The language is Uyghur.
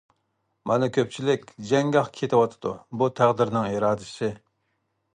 مانا كۆپچىلىك جەڭگاھقا كېتىۋاتىدۇ، بۇ تەقدىرنىڭ ئىرادىسى.